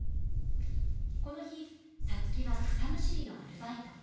この日皐月は草むしりのアルバイト。